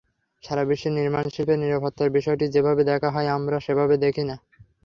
সারা বিশ্বে নির্মাণশিল্পের নিরাপত্তার বিষয়টি যেভাবে দেখা হয়, আমরা সেভাবে দেখি না।